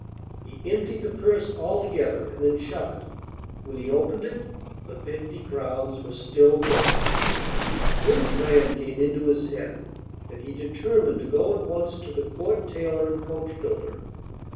He emptied the purse altogether and then shut it; when he opened it the fifty crowns were still there! Then a plan came into his head, and he determined to go at once to the Court tailor and coachbuilder.